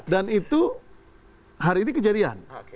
dan itu hari ini kejadian